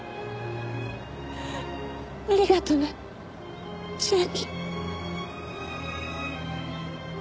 ありがとね千明。